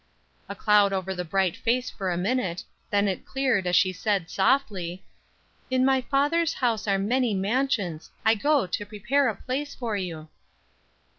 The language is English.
A cloud over the bright face for a minute, then it cleared as she said, softly: "In my Father's house are many mansions; I go to prepare a place for you."